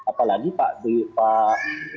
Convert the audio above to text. apalagi pak budi ini